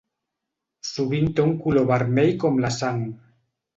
Sovint té un color vermell com la sang.